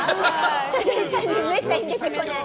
「サザエさん」にめったに出てこない。